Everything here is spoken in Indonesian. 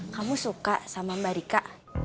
kamu suka sama mbak rika